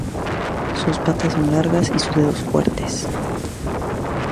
Sus patas son largas y sus dedos fuertes.